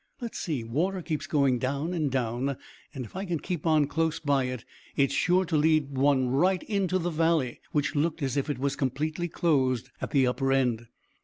Let's see; water keeps going down and down, and if I can keep on close by it it's sure to lead one right into the valley, which looked as if it was completely closed at the upper end.